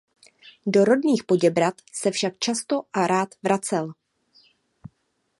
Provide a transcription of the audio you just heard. Do rodných Poděbrad se však často a rád vracel.